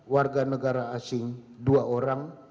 warganegara asing dua orang